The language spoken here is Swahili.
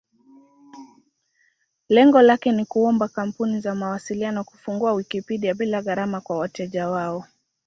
Lengo lake ni kuomba kampuni za mawasiliano kufungua Wikipedia bila gharama kwa wateja wao.